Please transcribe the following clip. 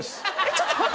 ちょっと待って。